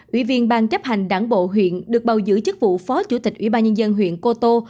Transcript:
ủy viên ban chấp hành đảng bộ huyện được bầu giữ chức vụ phó chủ tịch ủy ban nhân dân huyện cô tô